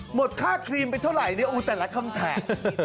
หมดค่าครีมไปเท่าไหร่แต่ละคำแทน